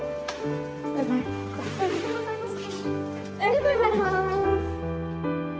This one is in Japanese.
ありがとうございます。